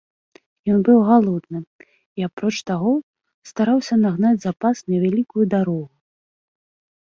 Ён быў галодны і, апроч таго, стараўся нагнаць запас на вялікую дарогу.